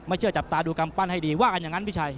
เชื่อจับตาดูกำปั้นให้ดีว่ากันอย่างนั้นพี่ชัย